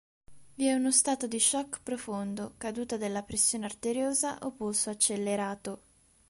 Vi è uno stato di shock profondo, caduta della pressione arteriosa o polso accelerato.